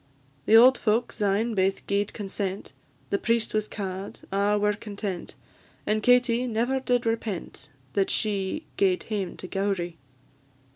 The auld folk syne baith gi'ed consent; The priest was ca'd: a' were content; And Katie never did repent That she gaed hame to Gowrie.